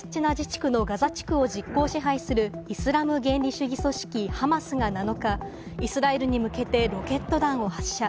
パレスチナ自治区のガザ地区を実効支配するイスラム原理主義組織＝ハマスが７日、イスラエルに向けてロケット弾を発射。